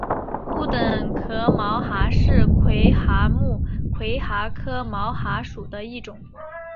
不等壳毛蚶是魁蛤目魁蛤科毛蚶属的一种。